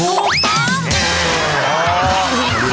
ทูบเบิ้ง